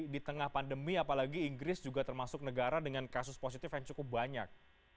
di tengah pandemi apalagi inggris juga termasuk negara dengan kasus positif yang cukup banyak